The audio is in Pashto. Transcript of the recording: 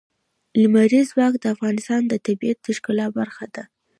لمریز ځواک د افغانستان د طبیعت د ښکلا برخه ده.